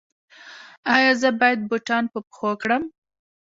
ایا زه باید بوټان په پښو کړم؟